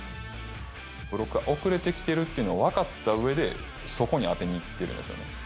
ブロックが遅れてきてるっていうのを分かったうえで、そこに当てにいってるんですよね。